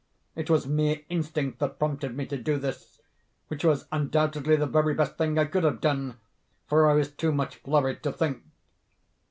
It was mere instinct that prompted me to do this—which was undoubtedly the very best thing I could have done—for I was too much flurried to think.